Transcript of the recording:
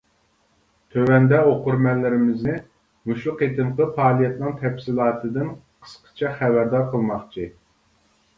تۆۋەندە ئوقۇرمەنلىرىمىزنى مۇشۇ قېتىمقى پائالىيەتنىڭ تەپسىلاتىدىن قىسقىچە خەۋەردار قىلماقچى.